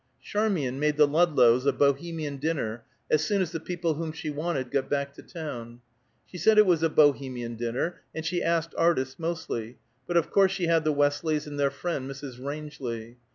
Charmian made the Ludlows a Bohemian dinner as soon as the people whom she wanted got back to town. She said it was a Bohemian dinner, and she asked artists, mostly; but of course she had the Westleys and their friend Mrs. Rangeley.